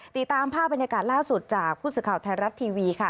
ติดตามภาพบรรยากาศล่าสุดจากผู้สื่อข่าวไทยรัฐทีวีค่ะ